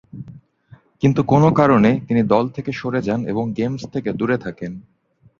কিন্তু কোনো কারণে তিনি দল থেকে সরে যান এবং গেমস থেকে দূরে থাকেন।